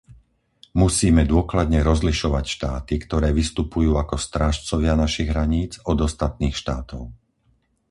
Musíme dôkladne rozlišovať štáty, ktoré vystupujú ako strážcovia našich hraníc, od ostatných štátov.